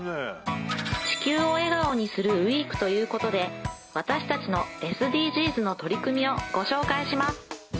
地球を笑顔にするＷＥＥＫということで私たちのＳＤＧｓの取り組みをご紹介します